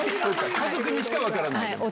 家族にしか分からない。